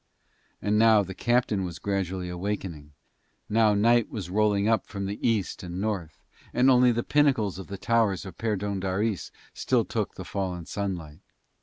And now the captain was gradually awakening. Now night was rolling up from the East and North, and only the pinnacles of the towers of Perdóndaris still took the fallen sunlight.